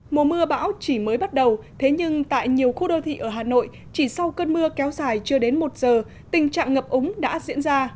mùa mưa bão chỉ mới bắt đầu thế nhưng tại nhiều khu đô thị ở hà nội chỉ sau cơn mưa kéo dài chưa đến một giờ tình trạng ngập úng đã diễn ra